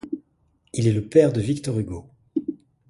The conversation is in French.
Il est le père de Victor Hugo.